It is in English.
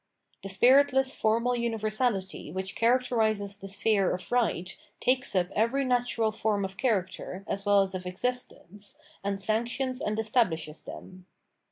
The spiritless formal universahty which characterises the sphere of right takes up every natural form of character as well as of existence, and sanctions and establishes them.